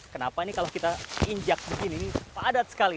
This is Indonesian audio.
kenapa ini kalau kita injak begini ini padat sekali